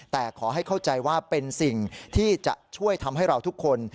แต่ขอให้เข้าใจว่าเป็นสิ่งที่จะช่วยทำให้เราทุกคน